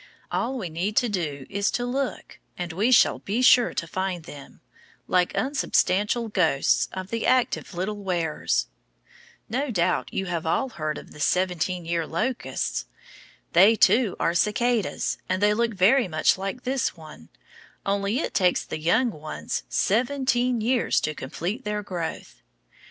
All we need do is to look, and we shall be sure to find them like unsubstantial ghosts of the active little wearers. No doubt you all have heard of the seventeen year locusts. They, too, are cicadas, and they look very much like this one, only it takes the young ones seventeen years to complete their growth.